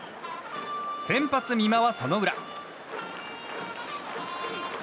先発、美馬はその裏。